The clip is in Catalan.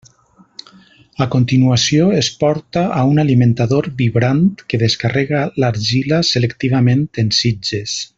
A continuació, es porta a un alimentador vibrant que descarrega l'argila selectivament en sitges.